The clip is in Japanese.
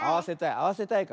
あわせたい。